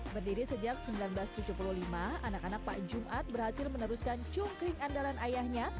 berdiri sejak seribu sembilan ratus tujuh puluh lima anak anak pak jumat berhasil meneruskan cungkring andalan ayahnya